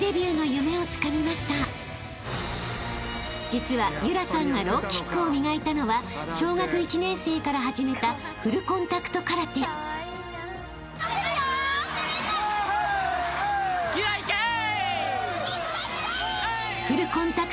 ［実は夢空さんがローキックを磨いたのは小学１年生から始めたフルコンタクト空手］・夢空いけー！